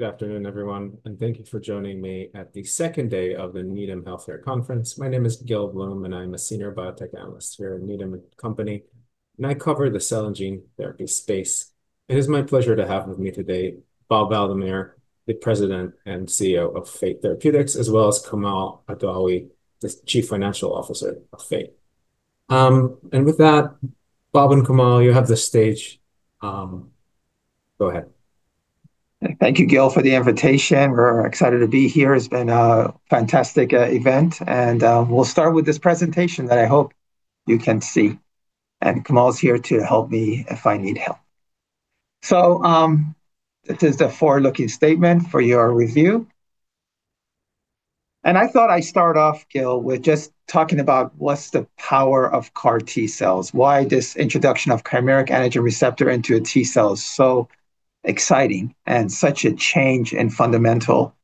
Good afternoon, everyone and thank you for joining me at the second day of the Needham Healthcare Conference. My name is Gil Blum, and I'm a Senior Biotech Analyst here at Needham & Company, and I cover the cell and gene therapy space. It is my pleasure to have with me today, Bob Valamehr, the President and CEO of Fate Therapeutics, as well as Kamal Adawi, the Chief Financial Officer of Fate. With that, Bob and Kamal, you have the stage. Go ahead. Thank you, Gil, for the invitation. We're excited to be here. It's been a fantastic event, and we'll start with this presentation that I hope you can see. Kamal's here to help me if I need help. This is the forward-looking statement for your review. I thought I'd start off, Gil, with just talking about what's the power of CAR T cells, why this introduction of chimeric antigen receptor into a T-cell is so exciting and such a change in fundamental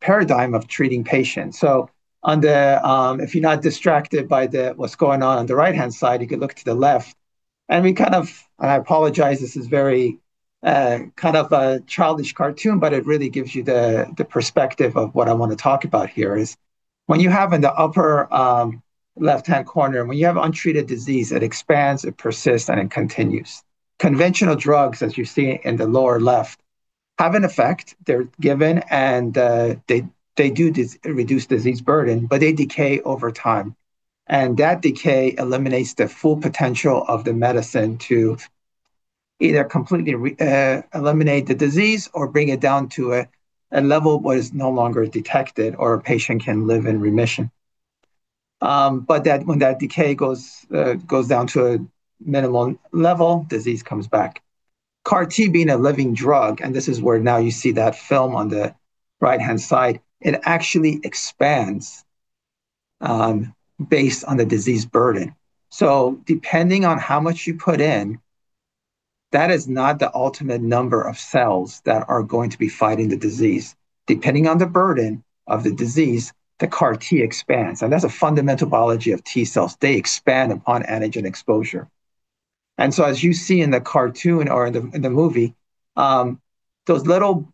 paradigm of treating patients. If you're not distracted by what's going on the right-hand side, you can look to the left. I apologize, this is very kind of a childish cartoon, but it really gives you the perspective of what I want to talk about here is, when you have in the upper left-hand corner, when you have untreated disease, it expands, it persists, and it continues. Conventional drugs, as you see in the lower left, have an effect. They're given, and they do reduce disease burden, but they decay over time. And that decay eliminates the full potential of the medicine to either completely eliminate the disease or bring it down to a level where it's no longer detected, or a patient can live in remission. When that decay goes down to a minimum level, the disease comes back. CAR T being a living drug, and this is where now you see that film on the right-hand side, it actually expands based on the disease burden. Depending on how much you put in, that is not the ultimate number of cells that are going to be fighting the disease. Depending on the burden of the disease, the CAR T expands, and that's a fundamental biology of T-cells. They expand upon antigen exposure. As you see in the cartoon or in the movie, those little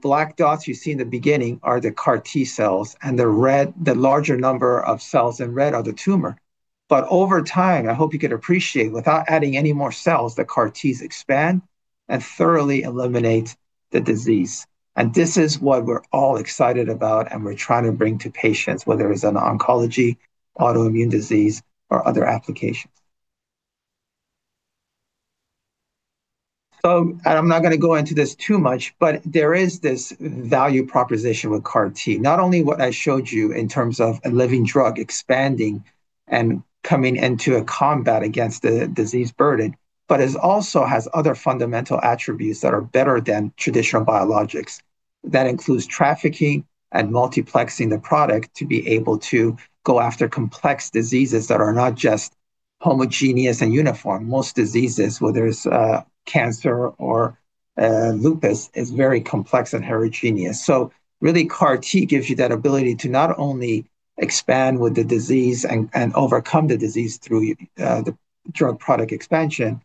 black dots you see in the beginning are the CAR T-cells, and the larger number of cells in red are the tumor. Over time, I hope you can appreciate, without adding any more cells, the CAR Ts expand and thoroughly eliminate the disease. This is what we're all excited about and we're trying to bring to patients, whether it's in oncology, autoimmune disease, or other applications. I'm not going to go into this too much, but there is this value proposition with CAR T. Not only what I showed you in terms of a living drug expanding and coming into a combat against the disease burden, but it also has other fundamental attributes that are better than traditional biologics. That includes trafficking and multiplexing the product to be able to go after complex diseases that are not just homogeneous and uniform. Most diseases, whether it's cancer or lupus, is very complex and heterogeneous. So, really CAR T gives you that ability to not only expand with the disease and overcome the disease through the drug product expansion,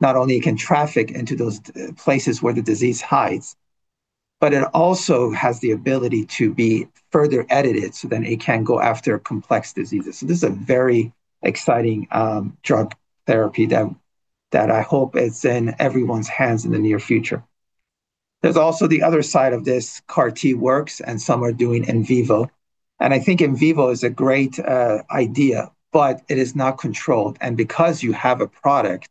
not only it can traffic into those places where the disease hides, but it also has the ability to be further edited so then it can go after complex diseases. This is a very exciting drug therapy that I hope is in everyone's hands in the near future. There's also the other side of this. CAR T works, and some are doing in vivo. I think in vivo is a great idea, but it is not controlled. And because you have a product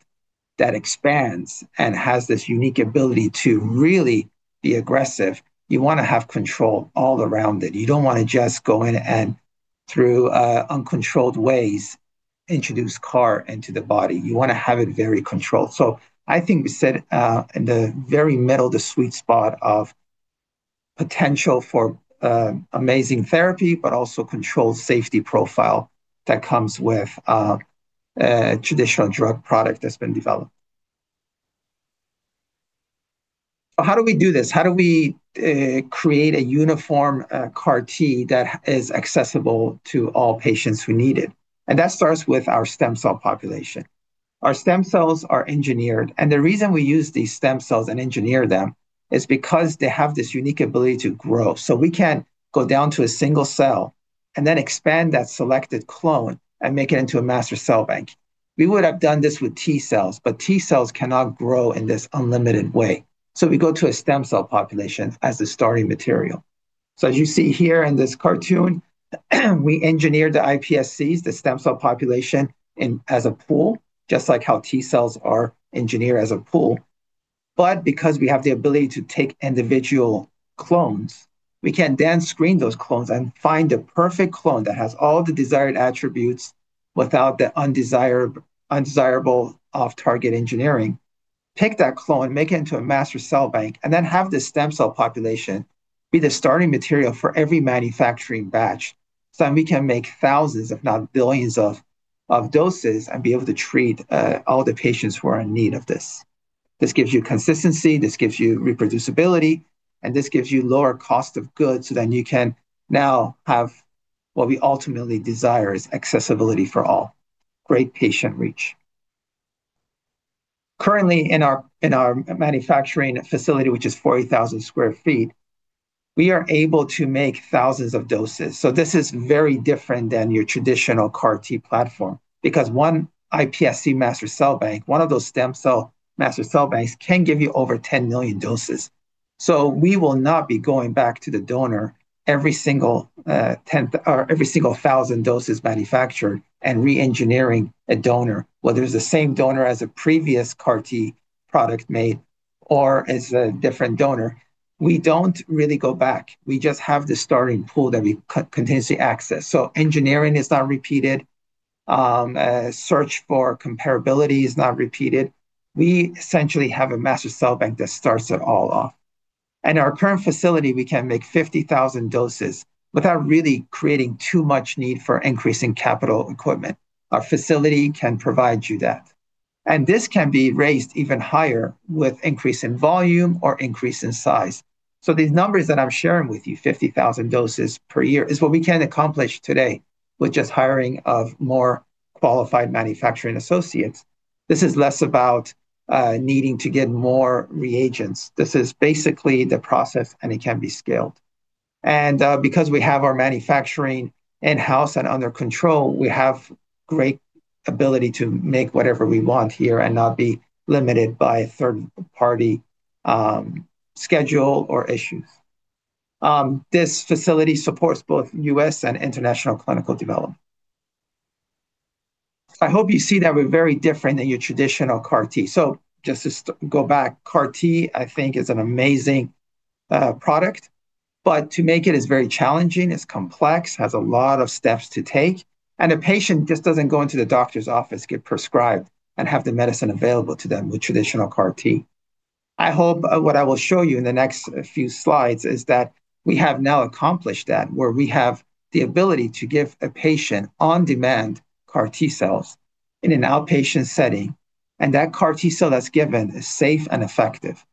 that expands and has this unique ability to really be aggressive, you want to have control all around it. You don't want to just go in and, through uncontrolled ways, introduce CAR into the body. You want to have it very controlled. So, I think we sit in the very middle of the sweet spot of potential for amazing therapy, but also controlled safety profile that comes with a traditional drug product that's been developed. How do we do this? How do we create a uniform CAR T that is accessible to all patients who need it? That starts with our stem cell population. Our stem cells are engineered, and the reason we use these stem cells and engineer them is because they have this unique ability to grow. We can go down to a single cell and then expand that selected clone and make it into a master cell bank. We would have done this with T-cells, but T-cells cannot grow in this unlimited way. So we go to a stem cell population as the starting material. As you see here in this cartoon, we engineer the iPSCs, the stem cell population, as a pool, just like how T-cells are engineered as a pool. Because we have the ability to take individual clones, we can then screen those clones and find the perfect clone that has all the desired attributes without the undesirable off-target engineering, take that clone, make it into a master cell bank, and then have the stem cell population be the starting material for every manufacturing batch so that we can make thousands, if not billions of doses and be able to treat all the patients who are in need of this. This gives you consistency, this gives you reproducibility, and this gives you lower cost of goods so then you can now have what we ultimately desire is accessibility for all. Great patient reach. Currently in our manufacturing facility, which is 40,000 sq ft, we are able to make thousands of doses. This is very different than your traditional CAR T platform because one iPSC master cell bank, one of those stem cell master cell banks, can give you over 10 million doses. We will not be going back to the donor every single 1,000 doses manufactured and re-engineering a donor, whether it's the same donor as a previous CAR T product made or it's a different donor. We don't really go back. We just have the starting pool that we continuously access. So engineering is not repeated, um, search for comparability is not repeated. We essentially have a master cell bank that starts it all off. In our current facility, we can make 50,000 doses without really creating too much need for increasing capital equipment. Our facility can provide you that. This can be raised even higher with increase in volume or increase in size. These numbers that I'm sharing with you 50,000 doses per year, is what we can accomplish today with just hiring more qualified manufacturing associates. This is less about needing to get more reagents. This is basically the process and it can be scaled. And because we have our manufacturing in-house and under control, we have great ability to make whatever we want here and not be limited by a third-party schedule or issue. This facility supports both U.S. and international clinical development. I hope you see that we're very different than your traditional CAR-T. So just to go back, CAR-T, I think, is an amazing product, but to make it is very challenging, it's complex, has a lot of steps to take, and a patient just doesn't go into the doctor's office, get prescribed, and have the medicine available to the with traditional CAR T. I hope what I will show you in the next few slides is that we have now accomplished that, where we have the ability to give a patient on-demand CAR T cells in an outpatient setting, and that CAR T cell that's given is safe and effective.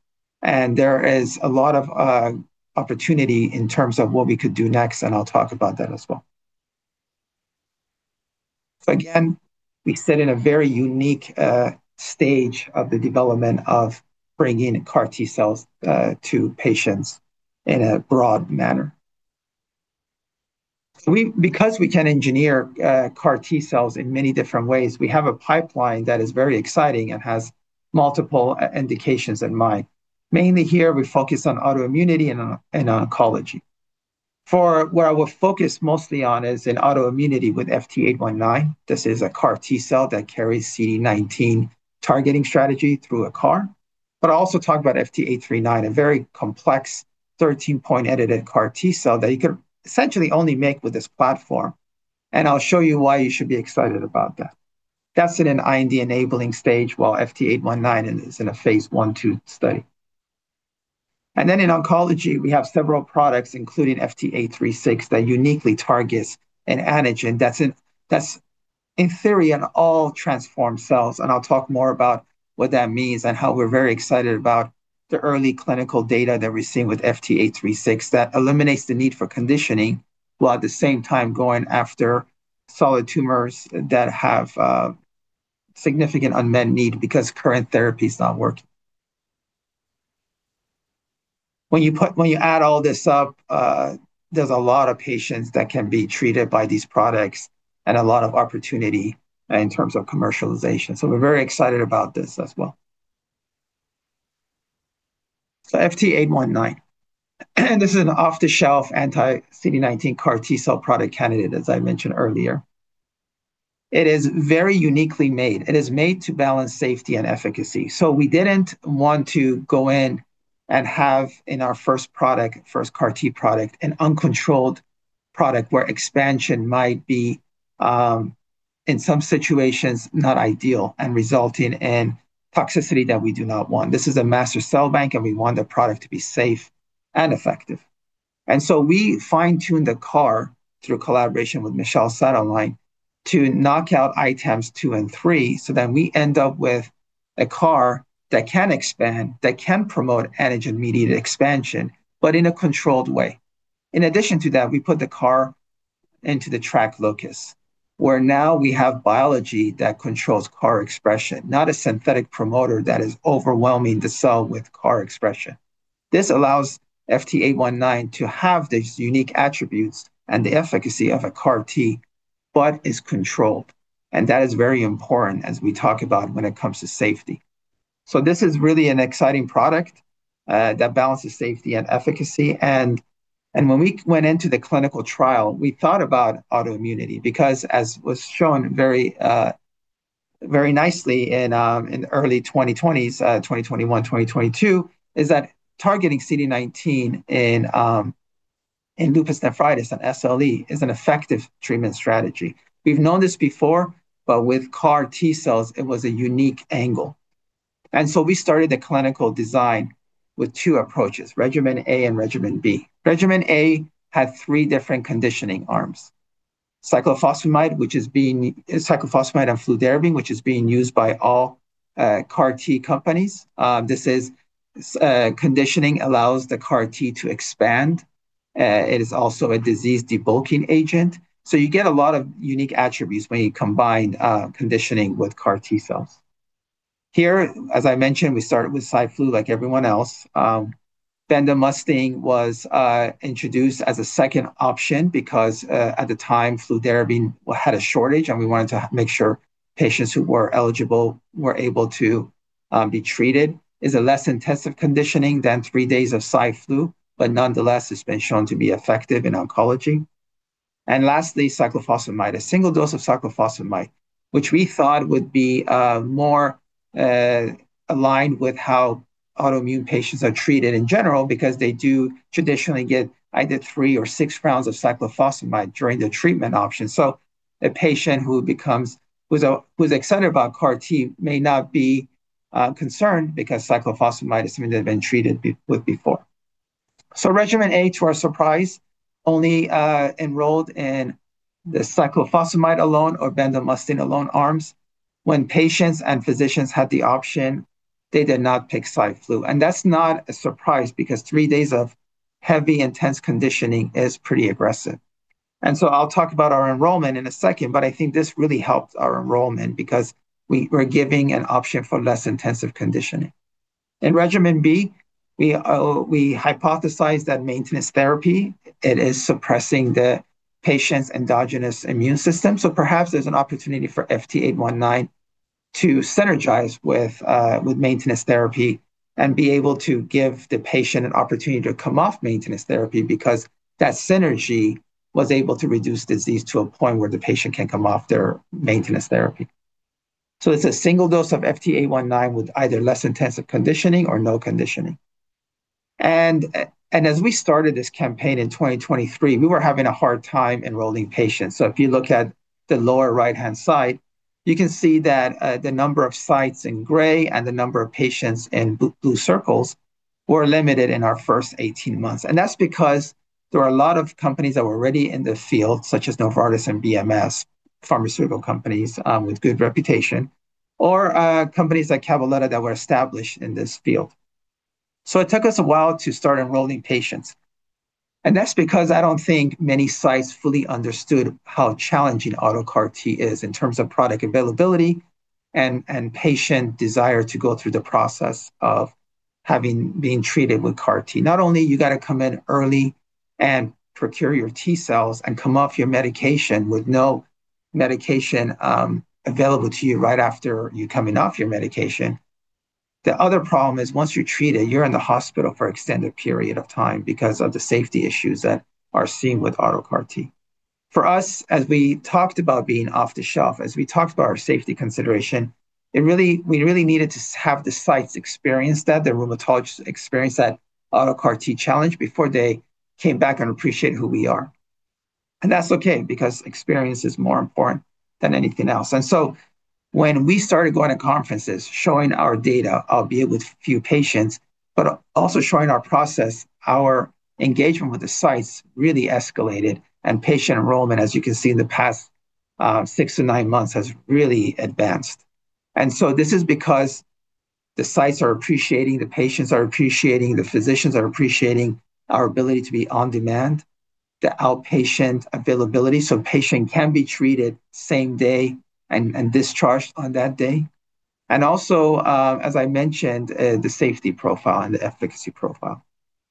There is a lot of opportunity in terms of what we could do next, and I'll talk about that as well. Again, we sit in a very unique stage of the development of bringing CAR T cells to patients in a broad manner. Because we can engineer CAR T cells in many different ways, we have a pipeline that is very exciting and has multiple indications in mind. Mainly here we focus on autoimmunity and on oncology. Where I will focus mostly on is in autoimmunity with FT819. This is a CAR T-cell that carries CD19 targeting strategy through a CAR. I'll also talk about FT839, a very complex 13-point edited CAR T-cell that you can essentially only make with this platform, and I'll show you why you should be excited about that. That's in an IND-enabling stage, while FT819 is in a phase I/II study. And in oncology, we have several products, including FT836, that uniquely targets an antigen that's in theory on all transformed cells. I'll talk more about what that means and how we're very excited about the early clinical data that we're seeing with FT836 that eliminates the need for conditioning, while at the same time going after solid tumors that have significant unmet need because current therapy is not working. When you add all this up, there's a lot of patients that can be treated by these products and a lot of opportunity in terms of commercialization. We're very excited about this as well. FT819, this is an off-the-shelf anti-CD19 CAR T-cell product candidate, as I mentioned earlier. It is very uniquely made. It is made to balance safety and efficacy. We didn't want to go in and have in our first product, first CAR T product an uncontrolled product where expansion might be, in some situations, not ideal and resulting in toxicity that we do not want. This is a master cell bank, and we want the product to be safe and effective. And so, we fine-tuned the CAR through collaboration with Michel Sadelain to knock out items two and three so that we end up with a CAR that can expand, that can promote antigen-mediated expansion, but in a controlled way. In addition to that, we put the CAR into the TRAC locus, where now we have biology that controls CAR expression, not a synthetic promoter that is overwhelming the cell with CAR expression. This allows FT819 to have these unique attributes and the efficacy of a CAR Tbut is controlled. And that is very important as we talk about when it comes to safety. So, this is really an exciting product that balances safety and efficacy. When we went into the clinical trial, we thought about autoimmunity because, as was shown very nicely in early 2020s, 2021, 2022, is that targeting CD19 in lupus nephritis and SLE is an effective treatment strategy. We've known this before, but with CAR T cells, it was a unique angle. We started the clinical design with two approaches, Regimen A and Regimen B. Regimen A had three different conditioning arms, cyclophosphamide and fludarabine, which is being used by all CAR T companies. This conditioning allows the CAR T to expand. It is also a disease debulking agent. You get a lot of unique attributes when you combine conditioning with CAR T cells. Here, as I mentioned, we started with Cy/Flu, like everyone else. Then bendamustine was introduced as a second option because, at the time, fludarabine had a shortage, and we wanted to make sure patients who were eligible were able to be treated. It's a less intensive conditioning than three days of Cy/Flu, but nonetheless, it's been shown to be effective in oncology. Lastly, cyclophosphamide, a single dose of cyclophosphamide, which we thought would be more aligned with how autoimmune patients are treated in general, because they do traditionally get either three or six rounds of cyclophosphamide during their treatment option. A patient who's excited about CAR T may not be concerned because cyclophosphamide is something they've been treated with before. Regimen A, to our surprise, only enrolled in the cyclophosphamide-alone or bendamustine-alone arms. When patients and physicians had the option, they did not pick Cy/Flu. That's not a surprise, because three days of heavy, intense conditioning is pretty aggressive. I'll talk about our enrollment in a second, but I think this really helped our enrollment because we're giving an option for less intensive conditioning. In Regimen B, we hypothesized that maintenance therapy, it is suppressing the patient's endogenous immune system. Perhaps there's an opportunity for FT819 to synergize with maintenance therapy and be able to give the patient an opportunity to come off maintenance therapy because that synergy was able to reduce disease to a point where the patient can come off their maintenance therapy. It's a single dose of FT819 with either less intensive conditioning or no conditioning. As we started this campaign in 2023, we were having a hard time enrolling patients. If you look at the lower right-hand side, you can see that the number of sites in gray and the number of patients in blue circles were limited in our first 18 months. That's because there are a lot of companies that were already in the field, such as Novartis and BMS, pharmaceutical companies with good reputation, or companies like Cabaletta that were established in this field. It took us a while to start enrolling patients. That's because I don't think many sites fully understood how challenging auto CAR T is in terms of product availability and patient desire to go through the process of having been treated with CAR T. Not only you got to come in early and procure your T-cells and come off your medication with no medication available to you right after you coming off your medication. The other problem is once you're treated, you're in the hospital for extended period of time because of the safety issues that are seen with auto CAR T. For us, as we talked about being off the shelf, as we talked about our safety consideration, we really needed to have the sites experience that, the rheumatologists experience that auto CAR T challenge before they came back and appreciate who we are. And that's okay, because experience is more important than anything else. When we started going to conferences, showing our data, albeit with few patients, but also showing our process, our engagement with the sites really escalated and patient enrollment, as you can see in the past six months-nine months, has really advanced. This is because the sites are appreciating, the patients are appreciating, the physicians are appreciating our ability to be on demand, the outpatient availability, so patient can be treated same day and discharged on that day. And also, as I mentioned, the safety profile and the efficacy profile.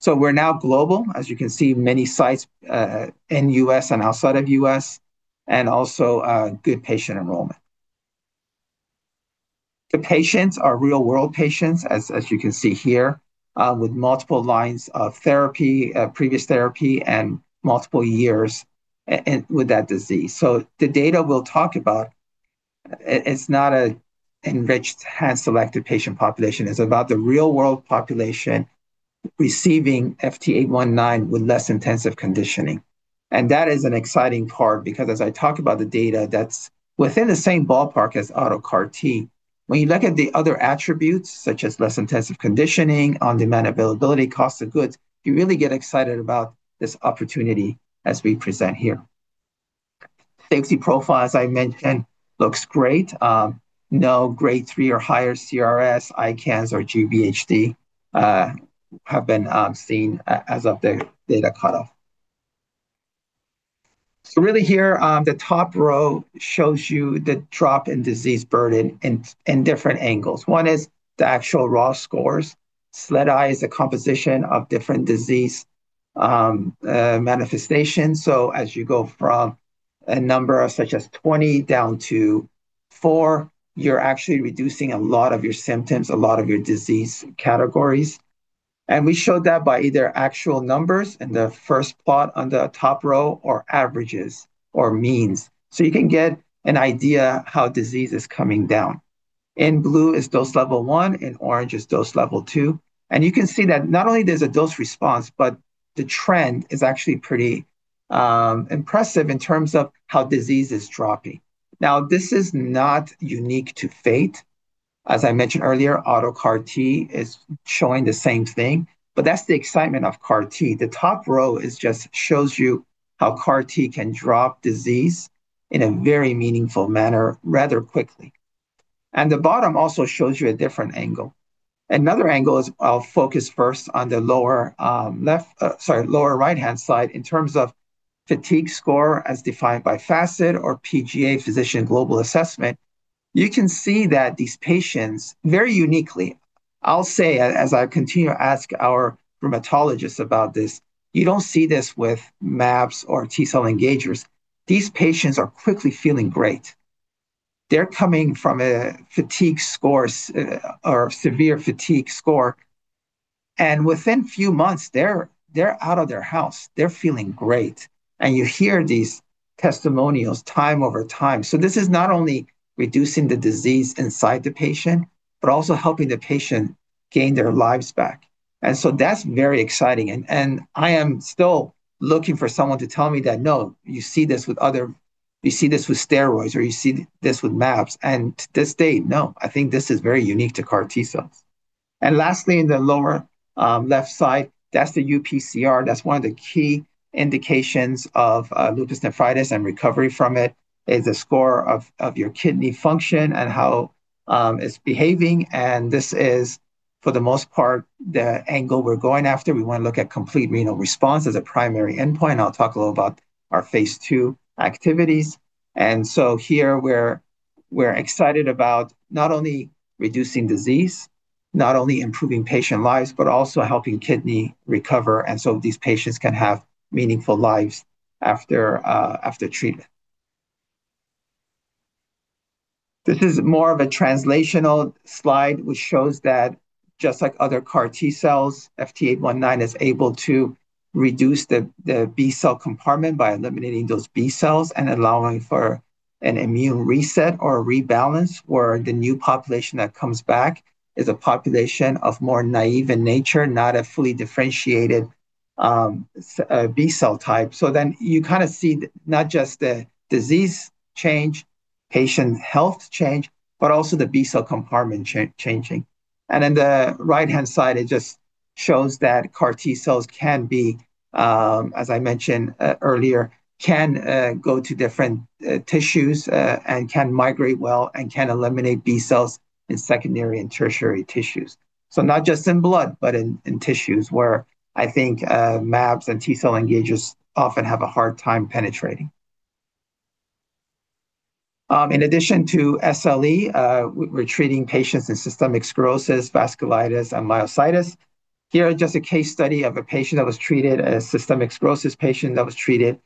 We're now global, as you can see, many sites in U.S. and outside of U.S., and also good patient enrollment. The patients are real-world patients, as you can see here, with multiple lines of therapy, previous therapy and multiple years with that disease. The data we'll talk about, it's not naive or a hand-selected patient population. It's about the real-world population receiving FT819 with less intensive conditioning. That is an exciting part because as I talk about the data that's within the same ballpark as auto CAR T, when you look at the other attributes, such as less intensive conditioning, on-demand availability, cost of goods, you really get excited about this opportunity as we present here. Safety profile, as I mentioned, looks great. No grade three or higher CRS, ICANS, or GVHD have been seen as of the data cutoff. Really here, the top row shows you the drop in disease burden in different angles. One is the actual raw scores. SLEDAI is a composition of different disease manifestations. As you go from a number such as 20 down to four, you're actually reducing a lot of your symptoms, a lot of your disease categories. We showed that by either actual numbers in the first plot on the top row or averages or means. You can get an idea how disease is coming down. In blue is dose level one, in orange is dose level two. You can see that not only there's a dose response, but the trend is actually pretty impressive in terms of how disease is dropping. Now, this is not unique to Fate. As I mentioned earlier, our CAR T is showing the same thing, but that's the excitement of CAR T. The top row just shows you how CAR T can drop disease in a very meaningful manner rather quickly. The bottom also shows you a different angle. Another angle is I'll focus first on the lower right-hand side in terms of fatigue score as defined by FACIT or PGA, Physician Global Assessment. You can see that these patients very uniquely, I'll say, as I continue to ask our rheumatologists about this, you don't see this with mAbs or T-cell engagers. These patients are quickly feeling great. They're coming from a fatigue score or severe fatigue score, and within few months, they're out of their house. They're feeling great. You hear these testimonials time over time. This is not only reducing the disease inside the patient but also helping the patient gain their lives back. That's very exciting. I am still looking for someone to tell me that, "No, you see this with steroids, or you see this with mAbs." To this date, no, I think this is very unique to CAR T-cells. Lastly, in the lower left side, that's the UPCR. That's one of the key indications of lupus nephritis and recovery from it is the score of your kidney function and how it's behaving. And this is for the most part, the angle we're going after. We want to look at complete renal response as a primary endpoint. I'll talk a little about our phase II activities. And so, here we're excited about not only reducing disease, not only improving patient lives, but also helping kidney recover. These patients can have meaningful lives after treatment. This is more of a translational slide which shows that just like other CAR T-cells, FT819 is able to reduce the B-cell compartment by eliminating those B-cells and allowing for an immune reset or a rebalance where the new population that comes back is a population of more naive in nature, not a fully differentiated B-cell type. You see not just the disease change, patient health change, but also the B-cell compartment changing. In the right-hand side, it just shows that CAR T-cells, as I mentioned earlier, can go to different tissues and can migrate well and can eliminate B-cells in secondary and tertiary tissues, not just in blood, but in tissues where I think mAbs and T-cell engagers often have a hard time penetrating. In addition to SLE, we're treating patients in systemic sclerosis, vasculitis, and myositis. Here is just a case study of a patient that was treated, a systemic sclerosis patient that was treated,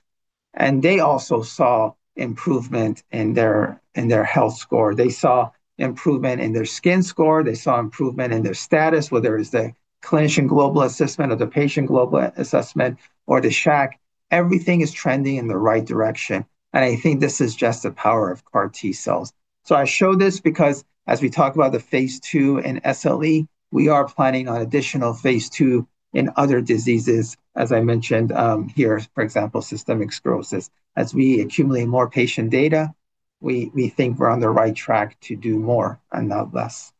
and they also saw improvement in their health score. They saw improvement in their skin score. They saw improvement in their status, whether it's the Clinician Global Assessment or the Patient Global Assessment or the SHAQ. Everything is trending in the right direction. I think this is just the power of CAR T-cells. I show this because as we talk about the phase II in SLE, we are planning on additional phase II in other diseases, as I mentioned here, for example, systemic sclerosis. As we accumulate more patient data, we think we're on the right track to do more and not less.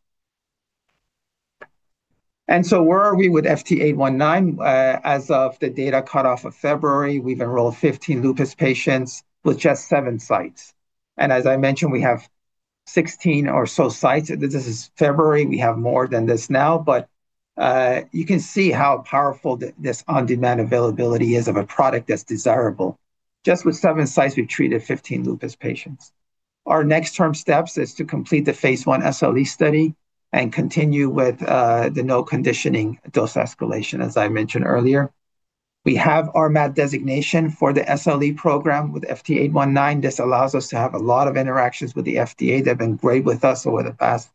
Where are we with FT819? As of the data cutoff of February, we've enrolled 15 lupus patients with just seven sites. As I mentioned, we have 16 or so sites. This is February. We have more than this now, but you can see how powerful this on-demand availability is of a product that's desirable. Just with seven sites, we've treated 15 lupus patients. Our near-term steps is to complete the phase I SLE study and continue with the no-conditioning dose escalation, as I mentioned earlier. We have our RMAT designation for the SLE program with FT819. This allows us to have a lot of interactions with the FDA. They've been great with us over the past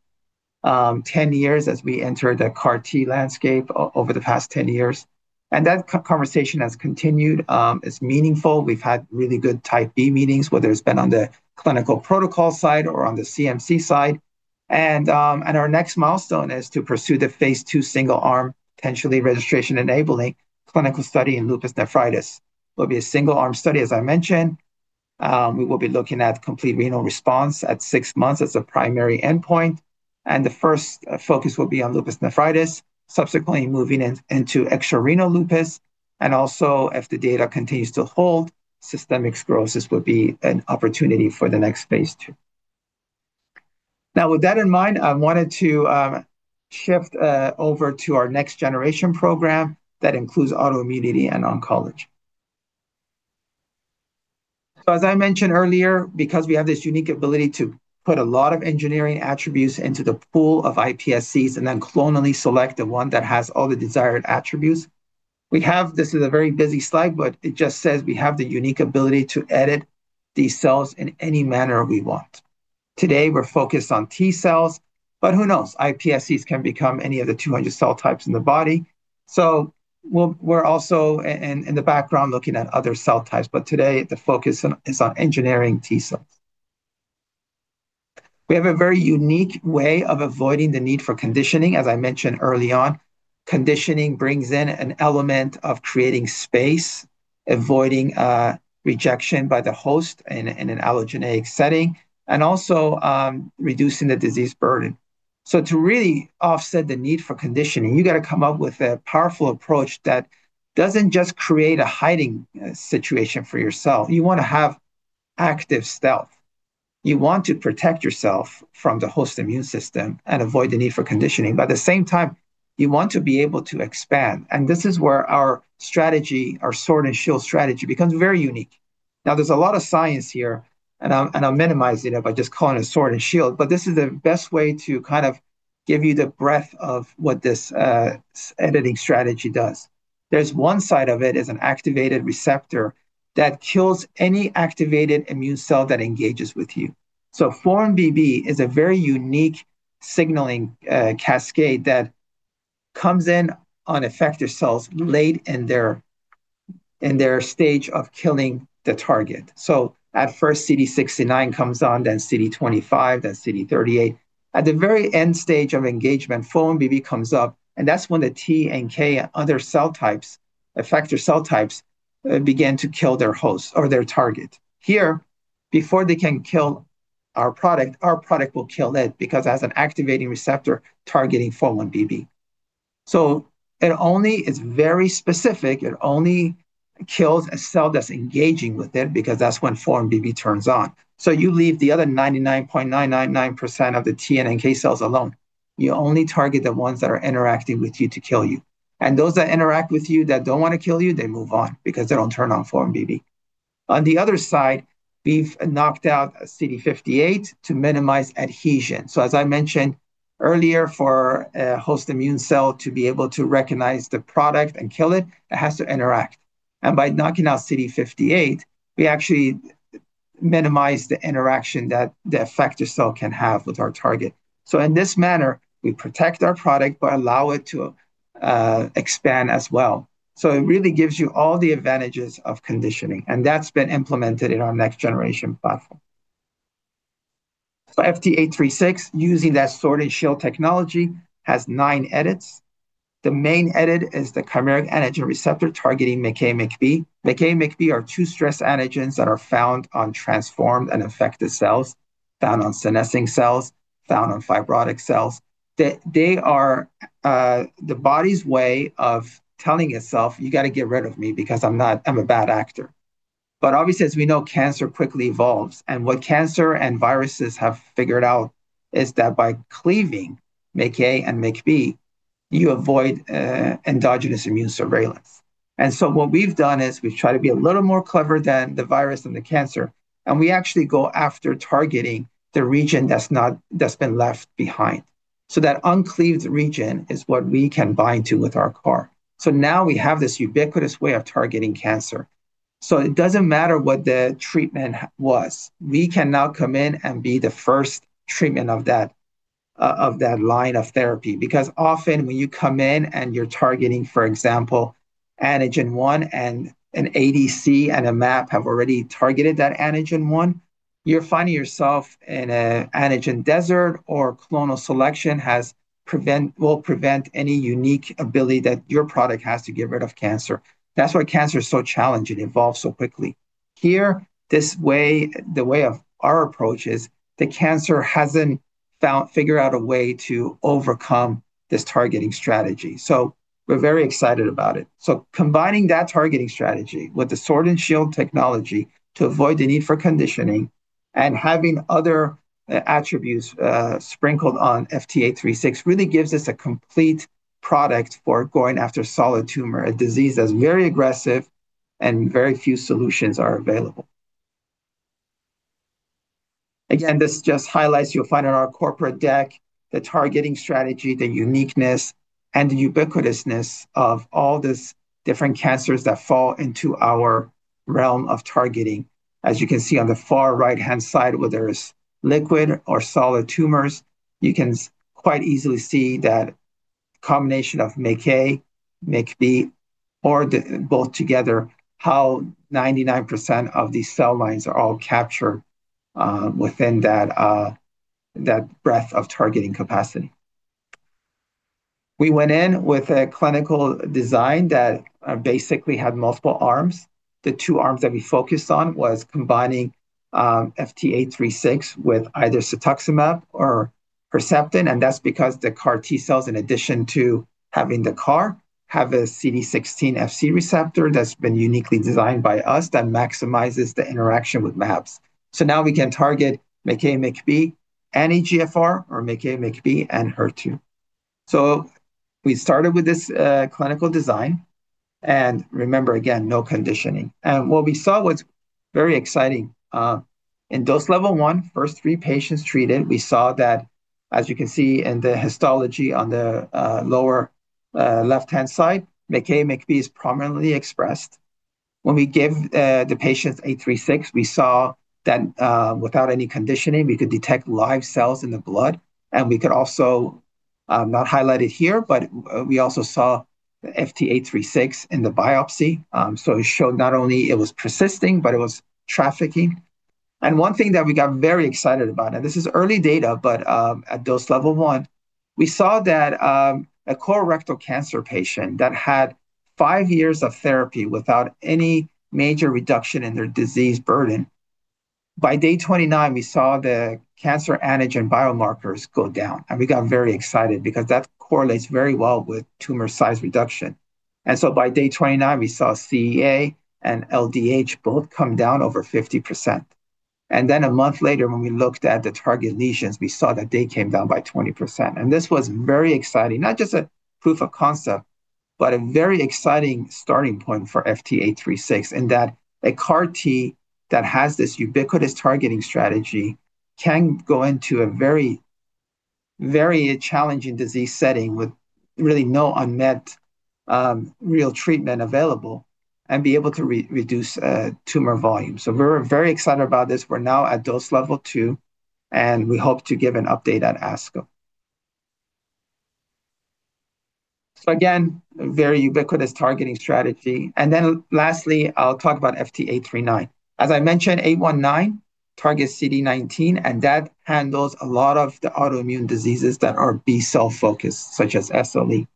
10 years as we entered the CAR T landscape over the past 10 years. That conversation has continued. It's meaningful. We've had really good type B meetings, whether it's been on the clinical protocol side or on the CMC side. Our next milestone is to pursue the phase II single-arm, potentially registration-enabling clinical study in lupus nephritis. It'll be a single-arm study, as I mentioned. We will be looking at complete renal response at six months as a primary endpoint, and the first focus will be on lupus nephritis, subsequently moving into extrarenal lupus. If the data continues to hold, systemic sclerosis would be an opportunity for the next phase II. Now, with that in mind, I wanted to shift over to our next-generation program. That includes autoimmunity and oncology. As I mentioned earlier, because we have this unique ability to put a lot of engineering attributes into the pool of iPSCs and then clonally select the one that has all the desired attributes, this is a very busy slide, but it just says we have the unique ability to edit these cells in any manner we want. Today, we're focused on T-cells, but who knows? iPSCs can become any of the 200 cell types in the body. We're also in the background looking at other cell types, but today the focus is on engineering T-cells. We have a very unique way of avoiding the need for conditioning. As I mentioned early on, conditioning brings in an element of creating space, avoiding rejection by the host in an allogeneic setting, and also reducing the disease burden. So, to really offset the need for conditioning, you got to come up with a powerful approach that doesn't just create a hiding situation for yourself. You want to have active stealth. You want to protect yourself from the host immune system and avoid the need for conditioning, but at the same time, you want to be able to expand. And this is where our strategy, our sword and shield strategy, becomes very unique. Now, there's a lot of science here, and I'll minimize it by just calling it sword and shield. But this is the best way to kind of give you the breadth of what this editing strategy does. There's one side of it is an activated receptor that kills any activated immune cell that engages with you. 4-1BB is a very unique signaling cascade that comes in on effector cells late in their stage of killing the target. At first CD69 comes on, then CD25, then CD38. At the very end stage of engagement, 4-1BB comes up, and that's when the T and NK effector cell types begin to kill their host or their target. Here, before they can kill our product, our product will kill it, because it has an activating receptor targeting 4-1BB. It is very specific. It only kills a cell that's engaging with it because that's when 4-1BB turns on. You leave the other 99.999% of the T and NK cells alone. You only target the ones that are interacting with you to kill you. Those that interact with you that don't want to kill you, they move on because they don't turn on 4-1BB. On the other side, we've knocked out CD58 to minimize adhesion. As I mentioned earlier, for a host immune cell to be able to recognize the product and kill it has to interact. By knocking out CD58, we actually minimize the interaction that the effector cell can have with our target. In this manner, we protect our product but allow it to expand as well. It really gives you all the advantages of conditioning, and that's been implemented in our next-generation platform. FT836, using that Sword & Shield technology, has nine edits. The main edit is the chimeric antigen receptor targeting MICA, MICB. MICA, MICB are two stress antigens that are found on transformed and affected cells, found on senescing cells, found on fibrotic cells. They are the body's way of telling itself, "You got to get rid of me because I'm a bad actor." Obviously, as we know, cancer quickly evolves. What cancer and viruses have figured out is that by cleaving MICA and MICB, you avoid endogenous immune surveillance. What we've done is we've tried to be a little more clever than the virus and the cancer, and we actually go after targeting the region that's been left behind. That uncleaved region is what we can bind to with our CAR. Now we have this ubiquitous way of targeting cancer. It doesn't matter what the treatment was. We can now come in and be the first treatment of that line of therapy. Because often when you come in and you're targeting, for example, antigen one and an ADC and a mAb have already targeted that antigen one, you're finding yourself in an antigen desert or clonal selection will prevent any unique ability that your product has to get rid of cancer. That's why cancer is so challenging. It evolves so quickly. Here, the way of our approach is the cancer hasn't figured out a way to overcome this targeting strategy, so we're very excited about it. Combining that targeting strategy with the Sword & Shield technology to avoid the need for conditioning and having other attributes sprinkled on FT836 really gives us a complete product for going after solid tumor, a disease that's very aggressive and very few solutions are available. Again, this just highlights, you'll find on our corporate deck, the targeting strategy, the uniqueness, and the ubiquitousness of all these different cancers that fall into our realm of targeting. As you can see on the far right-hand side, where there is liquid or solid tumors, you can quite easily see that combination of MICA, MICB or both together, how 99% of these cell lines are all captured within that breadth of targeting capacity. We went in with a clinical design that basically had multiple arms. The two arms that we focused on was combining FT836 with either cetuximab or Herceptin, and that's because the CAR T-cells, in addition to having the CAR, have a CD16 Fc receptor that's been uniquely designed by us that maximizes the interaction with mAbs. Now we can target MICA, MICB, and EGFR or MICA, MICB and HER2. We started with this clinical design, and remember again, no conditioning. What we saw was very exciting. In dose level one, first three patients treated, we saw that as you can see in the histology on the lower left-hand side, MICA, MICB is prominently expressed. When we give the patients FT836, we saw that without any conditioning, we could detect live cells in the blood. We could also, not highlighted here, but we also saw FT836 in the biopsy. It showed not only it was persisting, but it was trafficking. One thing that we got very excited about, and this is early data, but at dose level one, we saw that a colorectal cancer patient that had five years of therapy without any major reduction in their disease burden. By day 29, we saw the cancer antigen biomarkers go down, and we got very excited because that correlate very well with tumor size reduction. By day 29, we saw CEA and LDH both come down over 50%. A month later, when we looked at the target lesions, we saw that they came down by 20%. This was very exciting, not just a proof of concept, but a very exciting starting point for FT836, and that a CAR T that has this ubiquitous targeting strategy can go into a very challenging disease setting with really no unmet real treatment available and be able to reduce tumor volume. We're very excited about this. We're now at dose level 2, and we hope to give an update at ASCO. Again, very ubiquitous targeting strategy. Lastly, I'll talk about FT839. As I mentioned, 819 targets CD19, and that handles a lot of the autoimmune diseases that are B-cell focused, such as SLE.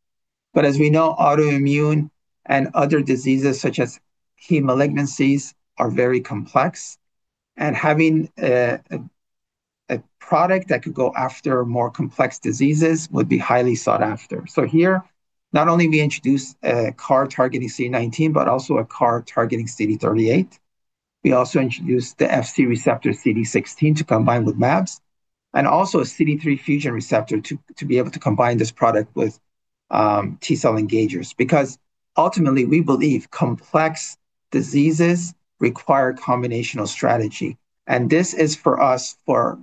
As we know, autoimmune and other diseases such as heme malignancies are very complex, and having a product that could go after more complex diseases would be highly sought after. Here, not only we introduce a CAR targeting CD19, but also a CAR targeting CD38. We also introduced the Fc receptor CD16 to combine with mAbs, and also a CD3 fusion receptor to be able to combine this product with T-cell engagers. Because ultimately, we believe complex diseases require combinational strategy. This is for us for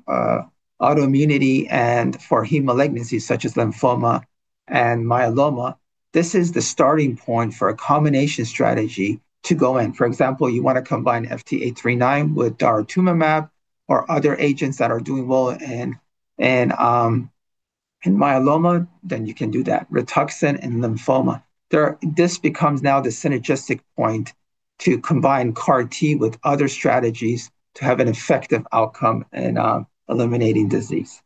autoimmunity and for heme malignancies such as lymphoma and myeloma. This is the starting point for a combination strategy to go in. For example, you want to combine FT839 with daratumumab or other agents that are doing well in myeloma, then you can do that. Rituxan in lymphoma. This becomes now the synergistic point to combine CAR T with other strategies to have an effective outcome in eliminating disease.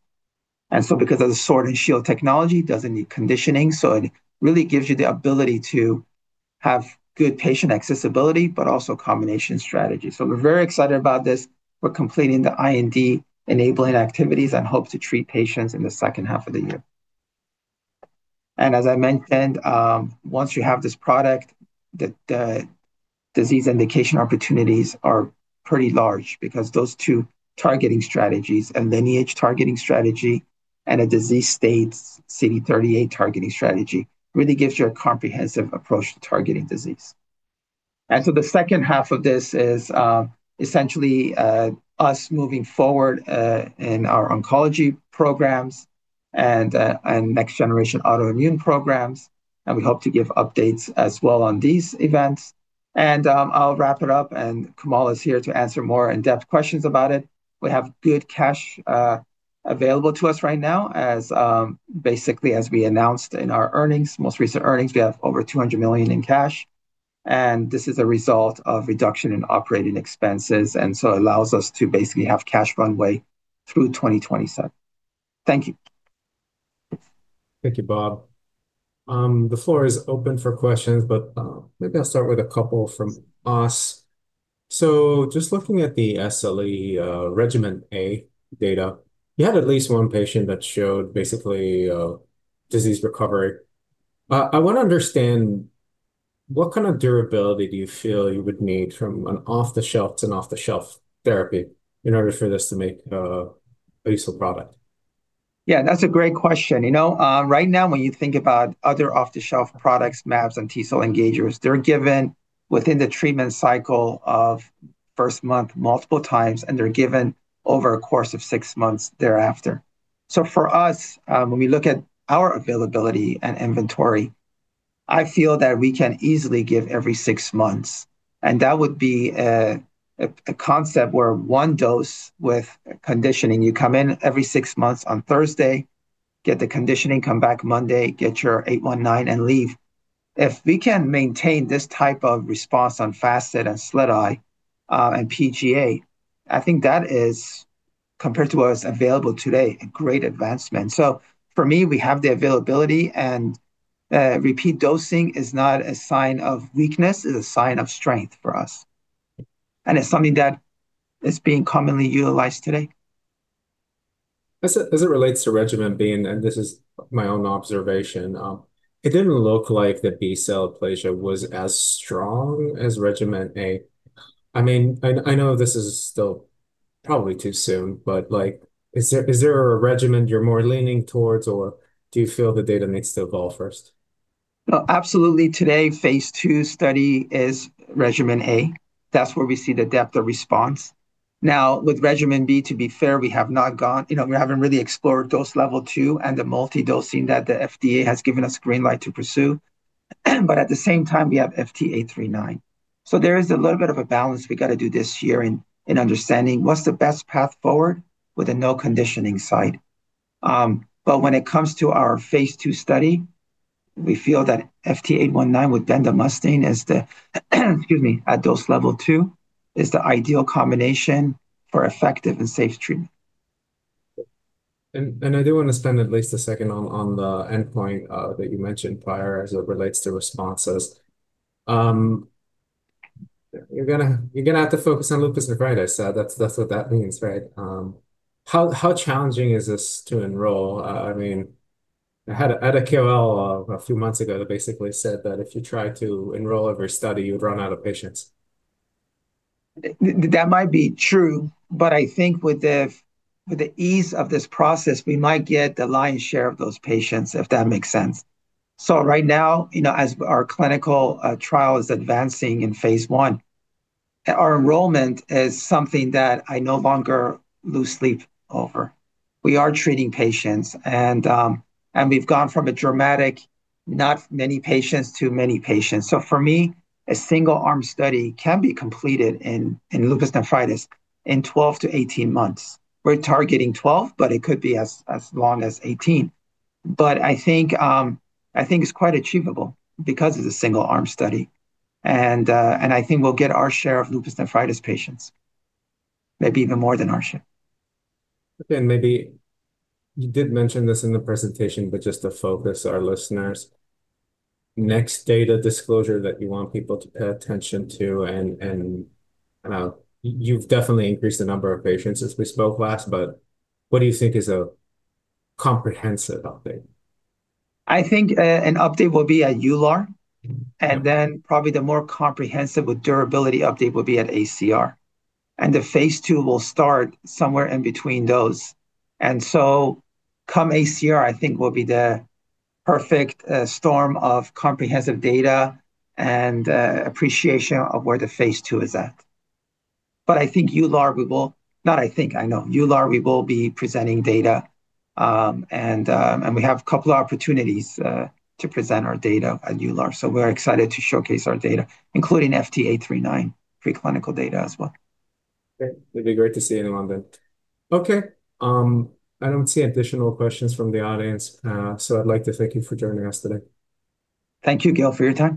Because of the Sword & Shield technology, it doesn't need conditioning, so it really gives you the ability to have good patient accessibility but also combination strategy. We're very excited about this. We're completing the IND-enabling activities and hope to treat patients in the second half of the year. As I mentioned, once you have this product, the disease indication opportunities are pretty large because those two targeting strategies, a lineage targeting strategy and a disease state CD38 targeting strategy, really gives you a comprehensive approach to targeting disease. The second half of this is essentially us moving forward in our oncology programs and next-generation autoimmune programs, and we hope to give updates as well on these events. I'll wrap it up, and Kamal is here to answer more in-depth questions about it. We have good cash available to us right now. Basically, as we announced in our most recent earnings, we have over $200 million in cash. This is a result of reduction in operating expenses and so allows us to basically have cash runway through 2027. Thank you. Thank you, Bob. The floor is open for questions, but maybe I'll start with a couple from us. Just looking at the SLE Regimen A data, you had at least one patient that showed basically disease recovery. I want to understand what kind of durability do you feel you would need from an off-the-shelf therapy in order for this to make a useful product? Yeah, that's a great question. Right now, when you think about other off-the-shelf products, mAbs and T-cell engagers, they're given within the treatment cycle of first month multiple times, and they're given over a course of six months thereafter. For us, when we look at our availability and inventory, I feel that we can easily give every six months, and that would be a concept where one dose with conditioning, you come in every six months on Thursday, get the conditioning, come back Monday, get your 819, and leave. If we can maintain this type of response on FACIT and SLEDAI, and PGA, I think that is, compared to what is available today, a great advancement. For me, we have the availability and repeat dosing is not a sign of weakness, it's a sign of strength for us, and it's something that is being commonly utilized today. As it relates to Regimen B, and this is my own observation, it didn't look like the B-cell aplasia was as strong as Regimen A. I know this is still probably too soon, but is there a regimen you're more leaning towards, or do you feel the data needs to evolve first? No, absolutely. Today, phase II study is Regimen A. That's where we see the depth of response. Now with Regimen B, to be fair, we haven't really explored dose level two and the multi-dosing that the FDA has given us green light to pursue. At the same time, we have FT839. There is a little bit of a balance we got to do this year in understanding what's the best path forward with a no conditioning side. When it comes to our phase II study, we feel that FT819 with bendamustine, excuse me, at dose level two, is the ideal combination for effective and safe treatment. I do want to spend at least a second on the endpoint that you mentioned prior as it relates to responses. You're going to have to focus on lupus nephritis. That's what that means, right? How challenging is this to enroll? I had a KOL a few months ago that basically said that if you try to enroll every study, you've run out of patients. That might be true, but I think with the ease of this process, we might get the lion's share of those patients, if that makes sense. Right now, as our clinical trial is advancing in phase I, our enrollment is something that I no longer lose sleep over. We are treating patients, and we've gone from a dramatic not many patients to many patients. For me, a single-arm study can be completed in lupus nephritis in 12 months-18 months. We're targeting 12, but it could be as long as 18. I think it's quite achievable because it's a single-arm study. I think we'll get our share of lupus nephritis patients, maybe even more than our share. Maybe you did mention this in the presentation, but just to focus our listeners, next data disclosure that you want people to pay attention to, and you've definitely increased the number of patients since we spoke last, but what do you think is a comprehensive update? I think an update will be at EULAR. Probably the more comprehensive with durability update will be at ACR. Phase II will start somewhere in between those. Come ACR, I think will be the perfect storm of comprehensive data and appreciation of where the phase II is at. Not I think, I know. EULAR we will be presenting data. We have a couple of opportunities to present our data at EULAR. We're excited to showcase our data, including FT839 preclinical data as well. Great. It'd be great to see you in London. Okay, I don't see additional questions from the audience, so I'd like to thank you for joining us today. Thank you, Gil, for your time.